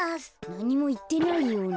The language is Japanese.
なにもいってないような。